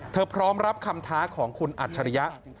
พร้อมรับคำท้าของคุณอัจฉริยะ